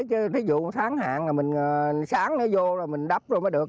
chứ ví dụ sáng hạn là mình sáng nó vô là mình đắp rồi mới được